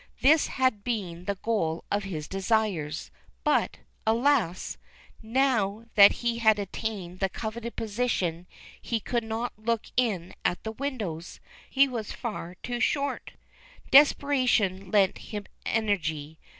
This had been the goal of his desires ; but, alas ! now that he had attained the coveted position he could not look in at the windows — he was far too short. Desjoeration lent him energy.